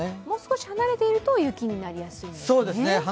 もう少し離れていると雪になりやすいんですね。